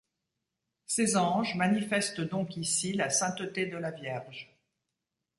Ces anges manifestent donc ici la sainteté de la Vierge.